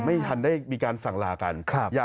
ไม่ทันได้มีการสั่งลากัน